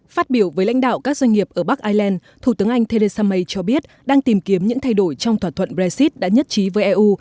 phát biểu với lãnh đạo các doanh nghiệp ở bắc ireland thủ tướng anh theresa may cho biết đang tìm kiếm những thay đổi trong thỏa thuận brexit đã nhất trí với eu